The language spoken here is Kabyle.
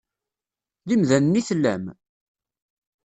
D imdanen i tellam?